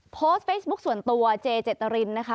โพสต์เฟซบุ๊คส่วนตัวเจเจตรินนะคะ